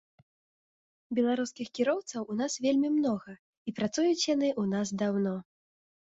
Беларускіх кіроўцаў у нас вельмі многа, і працуюць яны ў нас даўно.